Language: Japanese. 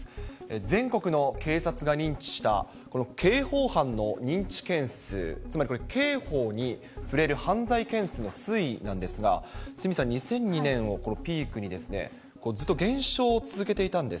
全国の警察が認知した、この刑法犯の認知件数、つまりこれ、刑法に触れる犯罪件数の推移なんですが、鷲見さん、２００２年を、このピークに、ずっと減少を続けていたんです。